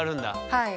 はい。